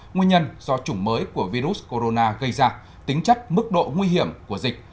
nguyên nhân do chủng mới của virus corona gây ra tính chất mức độ nguy hiểm của dịch